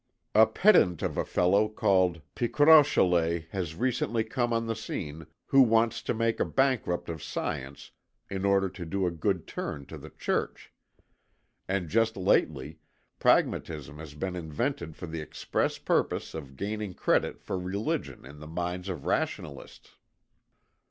A pedant of a fellow called Picrochole has recently come on the scene who wants to make a bankrupt of science in order to do a good turn to the Church. And just lately Pragmatism has been invented for the express purpose of gaining credit for religion in the minds of rationalists."